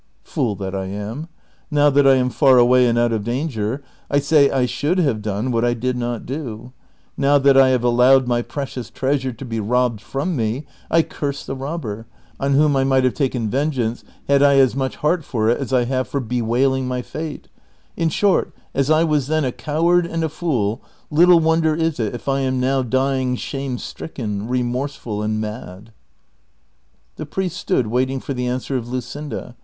" Fool that I am ! now that I am far away, and out of danger, I say I should have done what 1 did not do : now that I have allowed m} precious treasure to be robbed from me, I curse the robber, on wh(nri I mijrht have taken venijeance had I as much heart for it as I have for bewailing my fate; in short, as I was then a coward and a fool, little wonder is it if I am now dying shame stricken, remorseful, and mad. The i)riest stood waiting for the answer of Luseinda.